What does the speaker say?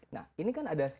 nah ini kan ada